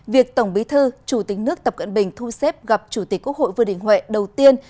việc tổng bí thư chủ tịch nước tập cận bình thu xếp gặp chủ tịch quốc hội vương đình huệ đầu tiên